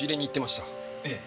ええ。